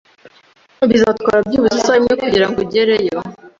Bizatwara byibuze isaha imwe kugirango ugereyo.